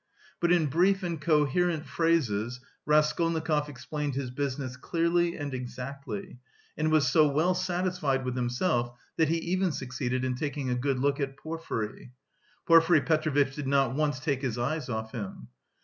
But in brief and coherent phrases Raskolnikov explained his business clearly and exactly, and was so well satisfied with himself that he even succeeded in taking a good look at Porfiry. Porfiry Petrovitch did not once take his eyes off him.